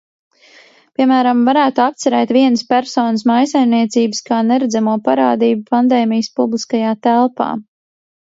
Piemēram, varētu apcerēt vienas personas mājsaimniecības kā neredzamo parādību pandēmijas publiskajā telpā.